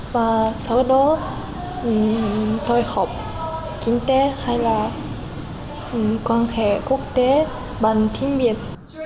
và sau đó tôi học kinh tế hay là quan hệ quốc tế bằng tiếng việt